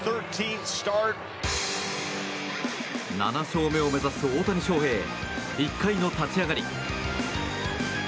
７勝目を目指す大谷翔平１回の立ち上がり。